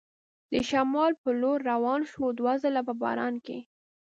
د شمال په لور روان شو، دوه ځله په باران کې.